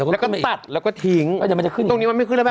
แล้วก็ตัดแล้วก็ทิ้งตรงนี้มันไม่ขึ้นแล้วแม่